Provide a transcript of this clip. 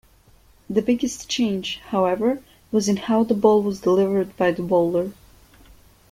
The biggest change, however, was in how the ball was delivered by the bowler.